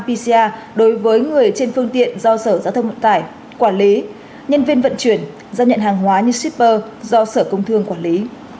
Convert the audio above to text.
pcr đối với người trên phương tiện do sở giao thông vận tải quản lý nhân viên vận chuyển gia nhận hàng hóa như shipper do sở công thương quản lý